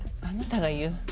あなたが言う？